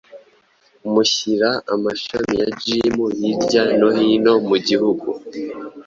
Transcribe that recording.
mushyira amashami ya gym hirya no hino mugihugu